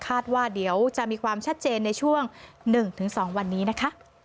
ว่าเดี๋ยวจะมีความชัดเจนในช่วง๑๒วันนี้นะคะ